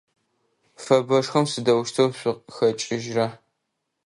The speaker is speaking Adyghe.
Фэбэшхом сыдэущтэу шъухэкIыжьрэ?